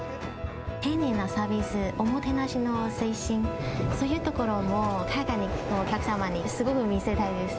丁寧なサービス、おもてなしの精神、そういうところのテクニックをお客様にすごく見せたいです。